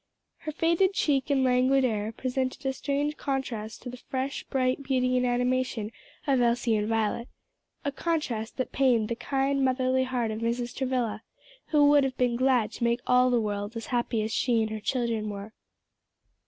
Her faded cheek and languid air, presented a strange contrast to the fresh, bright beauty and animation of Elsie and Violet, a contrast that pained the kind, motherly heart of Mrs. Travilla, who would have been glad to make all the world as happy as she and her children were.